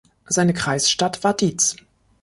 Seine Kreisstadt war Diez.